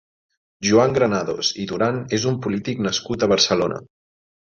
Joan Granados i Duran és un polític nascut a Barcelona.